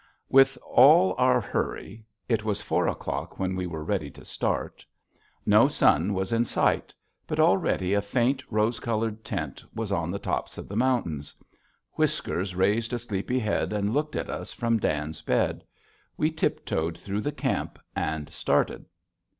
With all our hurry, it was four o'clock when we were ready to start. No sun was in sight, but already a faint rose colored tint was on the tops of the mountains. Whiskers raised a sleepy head and looked at us from Dan's bed. We tiptoed through the camp and started.